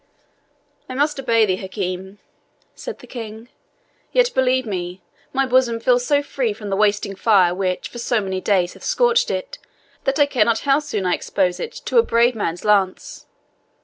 "I must obey thee, Hakim," said the King; "yet believe me, my bosom feels so free from the wasting fire which for so many days hath scorched it, that I care not how soon I expose it to a brave man's lance.